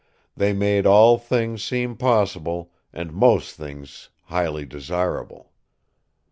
They made all things seem possible, and most things highly desirable.